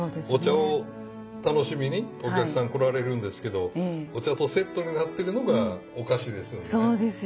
お茶を楽しみにお客さん来られるんですけどお茶とセットになってるのがお菓子ですんで。